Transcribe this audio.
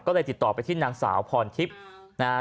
ก็เลยติดต่อไปที่นางสาวพรทิพย์นะฮะ